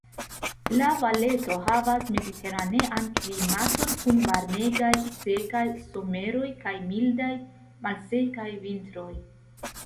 La Valeto havas mediteranean klimaton kun varmegaj, sekaj someroj kaj mildaj, malsekaj vintroj.